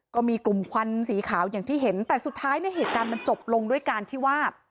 ก็มีกลุ่มควันสีขาวอย่างที่เห็นแต่สุดท้ายเนี่ยเหตุการณ์มันจบลงด้วยการที่ว่า